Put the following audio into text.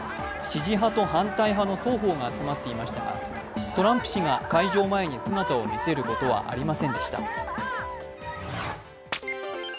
支持派と反対派の双方が集まっていましたが、トランプ氏が会場前に姿を見せることはありませんでした。